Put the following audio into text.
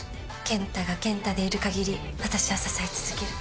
健太が健太でいる限り私は支え続ける。